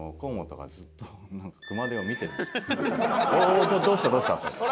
おっとどうしたどうしたと。